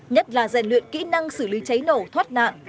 nhất là rèn luyện kỹ năng xử lý cháy nổ thoát nạn